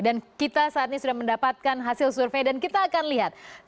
dan kita saat ini sudah mendapatkan hasil survei dan kita akan lihat